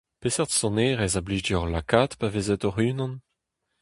Peseurt sonerezh a blij deoc'h lakaat pa vezit hoc'h-unan ?